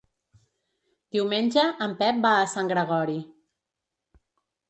Diumenge en Pep va a Sant Gregori.